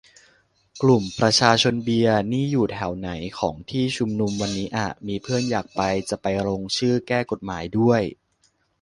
กลุ่ม ประชาชนเบียร์ นี่อยู่แถวไหนของที่ชุมนุมวันนี้อะ มีเพื่อนอยากไป จะไปลงชื่อแก้กฎหมายด้วย